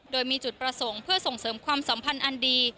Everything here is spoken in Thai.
โดยมีจุดประสงค์เพื่อส่งเสริมความสัมพันธ์อันดี